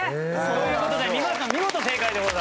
そういう事で皆さん見事正解でございます。